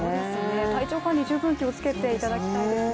体調管理、十分気をつけていただきたいですね。